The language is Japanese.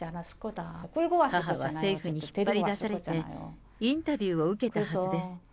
母は政府に引っ張り出されて、インタビューを受けたはずです。